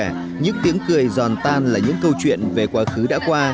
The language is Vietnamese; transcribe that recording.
những lời chúc sức khỏe những tiếng cười giòn tan là những câu chuyện về quá khứ đã qua